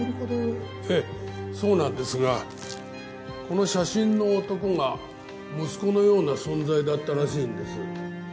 ええそうなんですがこの写真の男が息子のような存在だったらしいんです。